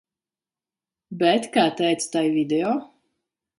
Bet kā teica tai video.